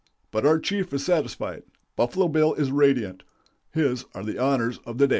But our chief is satisfied; Buffalo Bill is radiant; his are the honors of the day."